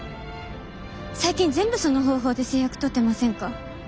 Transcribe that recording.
最近全部その方法で成約取ってませんか？